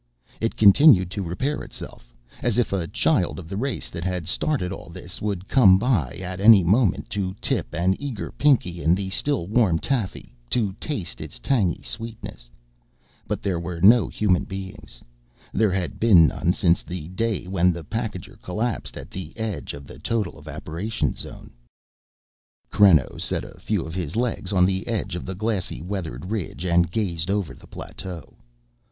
It continued to repair itself, as if a child of the race that had started all this would come by it at any moment to tip an eager pinky in the still warm taffy to taste its tangy sweetness. But there were no human beings. There had been none since the day when the packager collapsed, at the edge of the total evaporation zone. Creno set a few of his legs on the edge of the glassy, weathered ridge and gazed over the plateau.